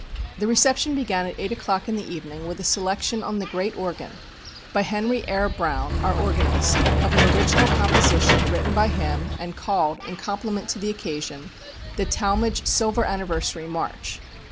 The reception began at eight o'clock in the evening with a selection on the great organ, by Henry Eyre Brown, our organist, of an original composition written by him and called, in compliment to the occasion, "The Talmage Silver Anniversary March."